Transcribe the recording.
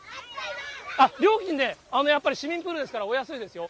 料金ね、やっぱり市民プールですから、お安いですよ。